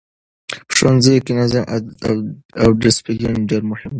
په ښوونځیو کې نظم او ډسپلین ډېر مهم دی.